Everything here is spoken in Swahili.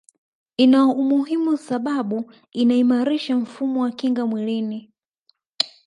ina umuhimu sababu inaimarisha mfumo wa kinga mwilini